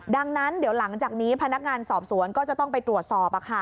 ดังนั้นเดี๋ยวหลังจากนี้พนักงานสอบสวนก็จะต้องไปตรวจสอบ